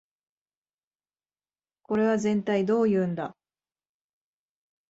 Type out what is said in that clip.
これはぜんたいどういうんだ